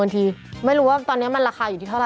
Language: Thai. วันนี้เขาพูดเอาไว้ก็เห็นเขาออกเขาออกมาพูดอยู่ครับครับอ่ะ